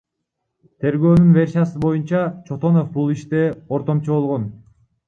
Тергөөнүн версиясы боюнча, Чотонов бул иште ортомчу болгон.